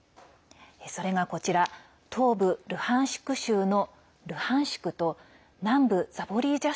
それが、こちら東部ルハンシク州のルハンシクと南部ザポリージャ